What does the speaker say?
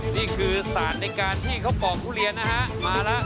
นี่คือศาสตร์ในการที่เขาปอกทุเรียนนะฮะมาแล้ว